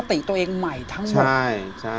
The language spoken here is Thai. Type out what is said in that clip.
เปลี่ยนตัวเองใหม่ทั้งหมด